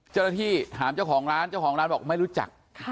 เจ้าหน้าที่ถามเจ้าของร้านเจ้าของร้านบอกไม่รู้จัก